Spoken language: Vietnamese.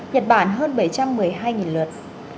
nhật bản hơn bảy trăm một mươi hai lượt